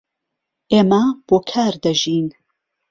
ئێمە بۆ کار دەژین.